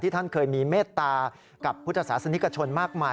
ท่านเคยมีเมตตากับพุทธศาสนิกชนมากมาย